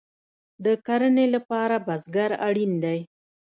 د کرنې لپاره بزګر اړین دی